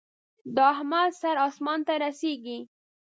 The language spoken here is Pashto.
د احمد سر اسمان ته رسېږي.